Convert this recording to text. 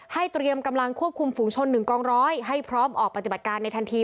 เตรียมกำลังควบคุมฝุงชน๑กองร้อยให้พร้อมออกปฏิบัติการในทันที